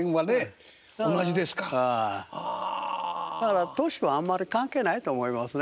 だから年はあんまり関係ないと思いますね。